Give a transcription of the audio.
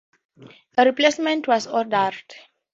A replacement was ordered.